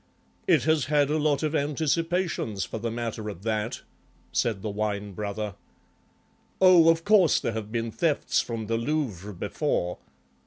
"It has had a lot of anticipations, for the matter of that," said the Wine brother. "Oh, of course there have been thefts from the Louvre before."